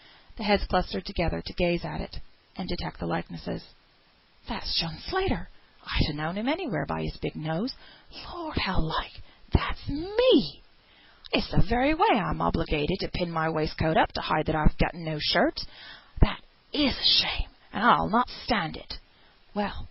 The heads clustered together, to gaze at and detect the likenesses. "That's John Slater! I'd ha' known him anywhere, by his big nose. Lord! how like; that's me, by G , it's the very way I'm obligated to pin my waistcoat up, to hide that I've gotten no shirt. That is a shame, and I'll not stand it." "Well!"